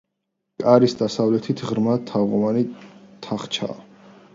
კარის დასავლეთით ღრმა თაღოვანი თახჩაა.